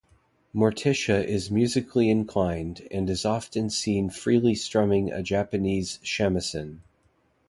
Morticia is musically inclined, and is often seen freely strumming a Japanese shamisen.